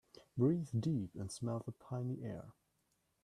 Breathe deep and smell the piny air.